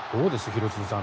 廣津留さん。